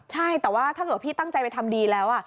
ใช่แต่ว่าถ้าเกิดพี่ตั้งใจไปทำดีแล้ว